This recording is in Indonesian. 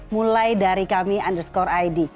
mulai dari kami underscore id